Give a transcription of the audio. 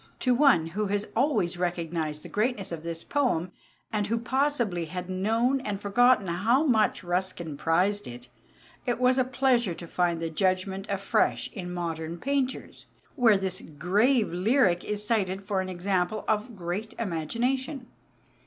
To one who has always recognized the greatness of this poem and who possibly had known and forgotten how much Ruskin prized it, it was a pleasure to find the judgement afresh in Modern Painters, where this grave lyric is cited for an example of great imagination.